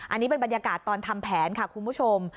อันนี้เป็นบรรยากาศตอนทำแผนค่ะคุณผู้ชม